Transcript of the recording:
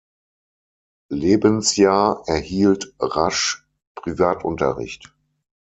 Lebensjahr erhielt Rasch Privatunterricht.